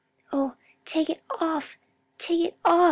"Oh take it off! take it off!